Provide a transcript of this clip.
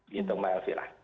gitu mbak elvira